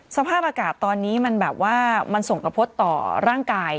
สภาพอากาศตอนนี้มันส่งกระพฤต่อร่างกาย